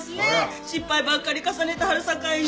失敗ばっかり重ねてはるさかいに。